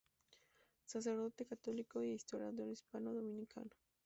Sacerdote católico e historiador hispano-dominicano.